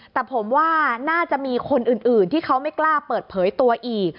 แต่ผมว่าน่าจะมีคนอื่นที่เขาไม่กล้าเปิดเผยตัวอีก